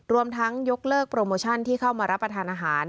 รวมทั้งยกเลิกโปรโมชั่นที่เข้ามารับประทานอาหาร